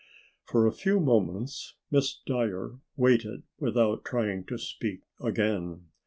For a few moments Miss Dyer waited without trying to speak again.